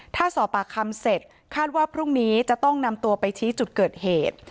ถ้าสอบปากคำเสร็จคาดว่าพรุ่งนี้จะต้องนำตัวไปชี้จุดเกิดเหตุ